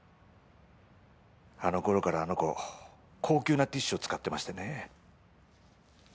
あの頃からあの子高級なティッシュを使ってましてね。